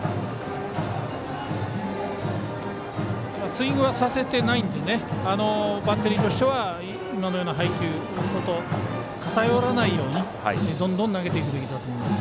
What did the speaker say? スイングはさせてないのでバッテリーとしては今のような配球外、偏らないようにどんどん投げていくべきだと思います。